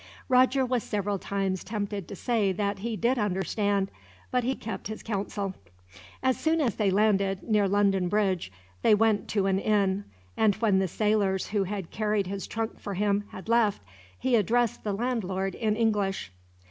Roger was several times tempted to say that he did understand, but he kept his counsel. As soon as they landed, near London Bridge, they went to an inn; and when the sailors who had carried his trunk for him had left, he addressed the landlord in English.